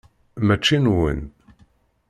Mačči nwen.